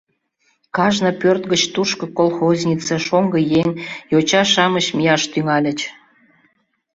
Кажне пӧрт гыч тушко колхознице, шоҥго еҥ, йоча-шамыч мияш тӱҥальыч.